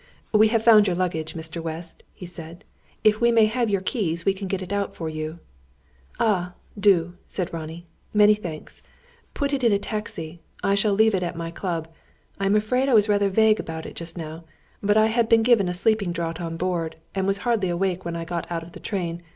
"We have found your luggage, Mr. West," he said. "If we may have your keys we can get it out for you." "Ah, do!" said Ronnie. "Many thanks. Put it on a taxi. I shall leave it at my Club. I am afraid I was rather vague about it just now; but I had been given a sleeping draught on board, and was hardly awake when I got out of the train.